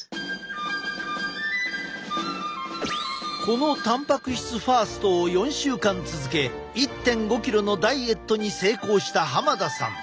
このたんぱく質ファーストを４週間続け１．５ｋｇのダイエットに成功した田さん。